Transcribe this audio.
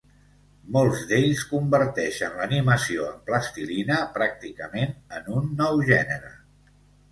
Molts d'ells converteixen l'animació amb plastilina pràcticament en un nou gènere.